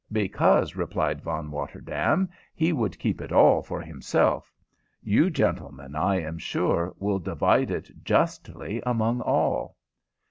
"Because," replied Von Rotterdaam, "he would keep it all for himself. You gentlemen, I am sure, will divide it justly among all."